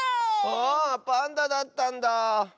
あパンダだったんだ。